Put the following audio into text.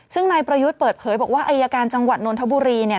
ซึ่งนายประยุทธ์เปิดเผยบอกว่าอายการจังหวัดนทบุรีเนี่ย